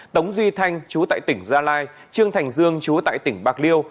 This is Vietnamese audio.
tống duy thanh chú tại tỉnh gia lai trương thành dương chú tại tỉnh bạc liêu